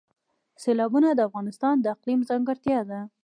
سیلابونه د افغانستان د اقلیم ځانګړتیا ده.